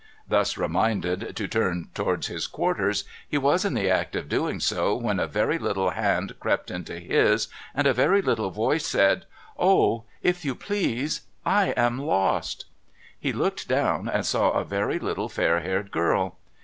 Thus reminded to 438 MUGBY JUNCTION turn towards his quarters, he was in the act of doing so, when a very hltle hand crept into his, and a very little voice said :' Oh ! if you please, I am lost !' He looked down, and saw a very little foir haired girl.